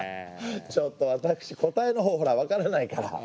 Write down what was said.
ちょっと私答えのほうほらわからないから。